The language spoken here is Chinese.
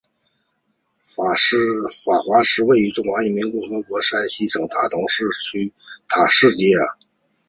法华寺位于中华人民共和国山西省大同市城区塔寺街。